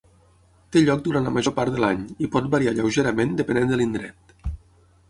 Té lloc durant la major part de l'any i pot variar lleugerament depenent de l'indret.